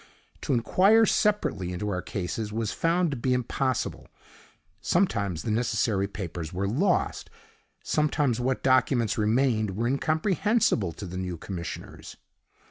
To inquire separately into our cases was found to be impossible. Sometimes the necessary papers were lost; sometimes what documents remained were incomprehensible to the new commissioners.